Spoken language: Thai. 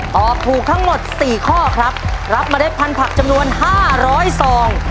ตอบถูกทั้งหมด๔ข้อครับรับเมล็ดพันธุ์ผักจำนวน๕๐๐สอง